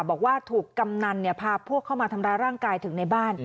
บอกว่าถูกกำนันพาพวกเข้ามาทำร้ายร่างกายถึงในบ้าน